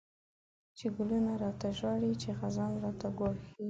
چی ګلونه ړاته ژاړی، چی خزان راته ګواښيږی